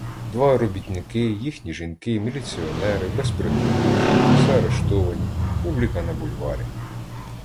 Два робітники, їхні жінки, міліціонери, безпритульні діти, заарештовані, публіка на бульварі.